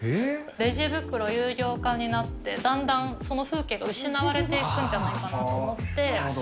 レジ袋有料化になって、だんだんその風景が失われていくんじゃないかなと思って。